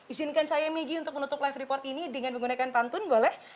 izinkan saya maggie untuk menutup live report ini dengan menggunakan pantun boleh